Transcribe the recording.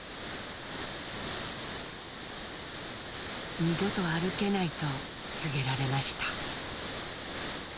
「二度と歩けない」と告げられました。